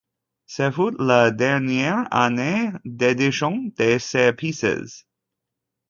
Ce fut la dernière année d'édition de ces pièces.